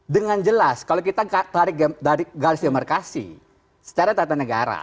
dengan jelas kalau kita tarik dari garis demarkasi secara tata negara